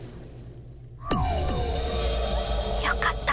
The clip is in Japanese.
よかった。